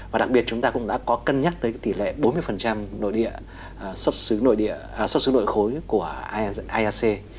và đặc biệt chúng ta cũng đã có cân nhắc tới tỷ lệ bốn mươi nội địa xuất xứ nội khối của iac